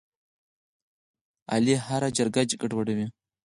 علي هره جرګه ګډوډوي.